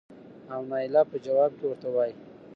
او نايله په ځواب کې ورته وايې